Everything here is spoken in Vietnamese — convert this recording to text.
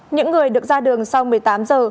những người được ra đường sau một mươi tám giờ